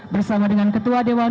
bersama dengan ketua dewan